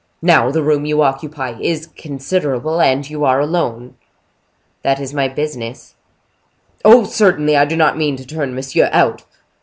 Now the room you occupy is considerable, and you are alone." "That is my business." "Oh! certainly. I do not mean to turn monsieur out."